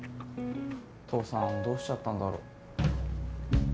父さんどうしちゃったんだろ。